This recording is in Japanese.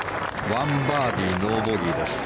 １バーディー、ノーボギーです。